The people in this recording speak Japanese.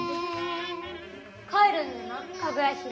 「帰るんだなかぐや姫」。